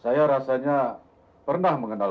saya rasanya pernah mengenal